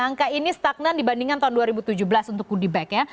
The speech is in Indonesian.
angka ini stagnan dibandingkan tahun dua ribu tujuh belas untuk goodie bag ya